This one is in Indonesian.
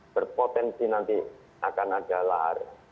berpotensi nanti akan ada lahar